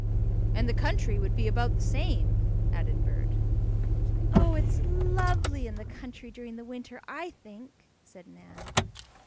"And the country would be about the same," added Bert. "Oh, it's lovely in the country during the winter, I think," said Nan.